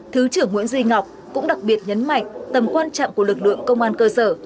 thứ trưởng nguyễn duy ngọc cũng đặc biệt nhấn mạnh tầm quan trọng của lực lượng công an cơ sở